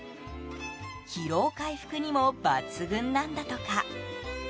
疲労回復にも抜群なんだとか。